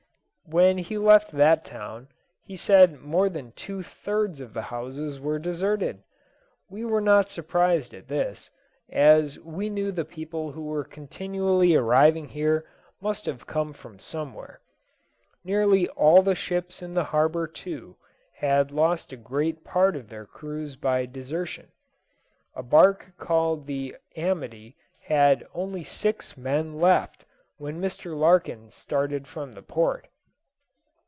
When he left that town, he said more than two thirds of the houses were deserted. We were not surprised at this, as we knew the people who were continually arriving here must have come from somewhere. Nearly all the ships in the harbour too had lost a great part of their crews by desertion. A barque called the Amity had only six men left when Mr. Larkin started from the port.